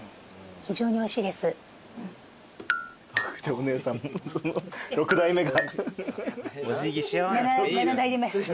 お姉さん６代目が。